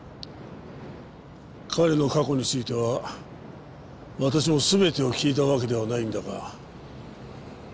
彼の過去については私も全てを聞いたわけではないんだが。